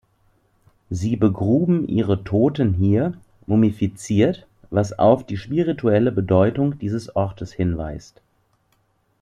Sie begruben ihre Toten hier, mumifiziert, was auf die spirituelle Bedeutung dieses Ortes hinweist.